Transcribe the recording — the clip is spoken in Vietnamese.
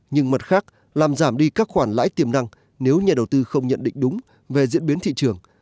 nhưng mặt khác làm giảm đi các khoản lãi tiềm năng nếu nhà đầu tư không nhận định đúng về diễn biến thị trường